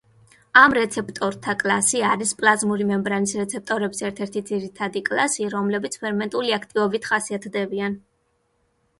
ამ რეცეპტორთა კლასი არის პლაზმური მემბრანის რეცეპტორების ერთ-ერთი ძირითადი კლასი, რომლებიც ფერმენტული აქტივობით ხასიათდებიან.